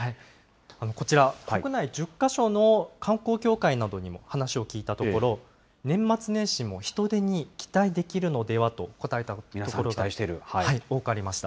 こちら、国内１０か所の観光協会などにも話を聞いたところ、年末年始の人出に期待できるのではと答えた皆さん多くありました。